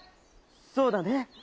「そうだね。